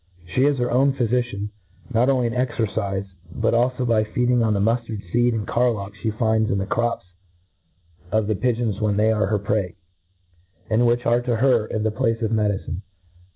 She is her owa phyfician, not only in cxercife, but alfo by feed ing on the muftard feed and carlock flie finds iii , the crops of the pigeons when they are her prey^ and which are to her in the place of medicine..